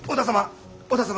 織田様。